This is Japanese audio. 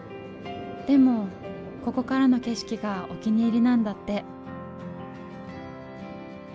でもここからの景色がお気に入りなんだって。